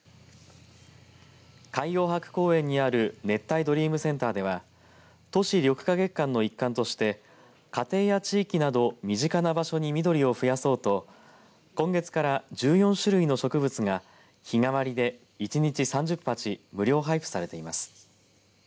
海洋博公園にある熱帯ドリームセンターでは都市緑化月間の一環として家庭や地域など身近な場所に緑を増やそうと今月から１４種類の植物が日替わりで１日３０鉢無料配布されています。